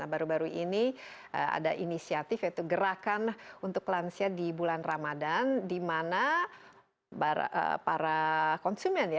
baru baru ini ada inisiatif yaitu gerakan untuk lansia di bulan ramadan di mana para konsumen ya